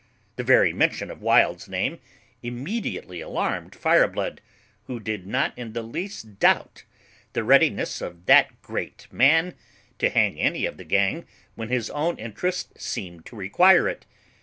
The very mention of Wild's name immediately alarmed Fireblood, who did not in the least doubt the readiness of that GREAT MAN to hang any of the gang when his own interest seemed to require it.